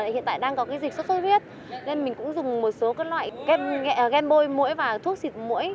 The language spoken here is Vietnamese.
hiện tại đang có dịch xuất xuất huyết nên mình cũng dùng một số loại gam bôi mũi và thuốc xịt mũi